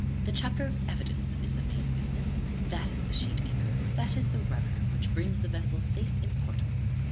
The chapter of evidence is the main business; that is the sheet anchor; that is the rudder, which brings the vessel safe in portum.